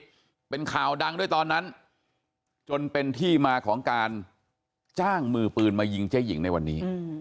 ที่เป็นข่าวดังด้วยตอนนั้นจนเป็นที่มาของการจ้างมือปืนมายิงเจ๊หญิงในวันนี้